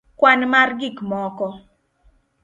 kwan mar gik moko